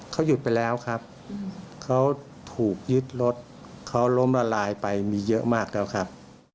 เขาหยุดไปแล้วครับเขาถูกยึดรถเขาล้มละลายไปมีเยอะมากแล้วครับ